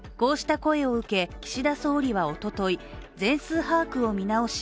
こうした声を受け、岸田総理はおととい全数把握を見直し